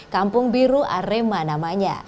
kampung biru arema namanya